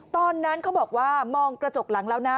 ตอนนั้นเขาบอกว่ามองกระจกหลังแล้วนะ